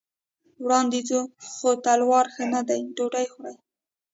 وړاندې ځو، خو تلوار ښه نه دی، ډوډۍ خورئ.